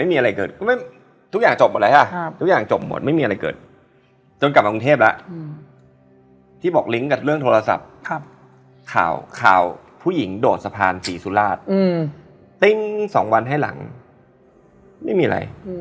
แปลว่าใช่แล้วแปลว่าทุกอย่างที่